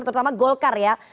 terutama golkar ya